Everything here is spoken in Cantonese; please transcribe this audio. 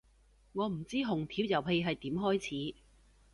我唔知紅帖遊戲係點開始